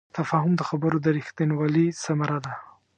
تفاهم د خبرو د رښتینوالي ثمره ده.